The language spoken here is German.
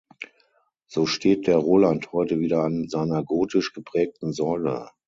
So steht der Roland heute wieder an seiner gotisch geprägten Säule.